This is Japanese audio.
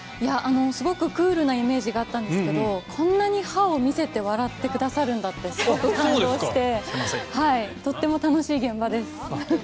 すごくクールなイメージがあったんですけどこんなに歯を見せて笑ってくださるんだってすごく感動してとても楽しい現場です。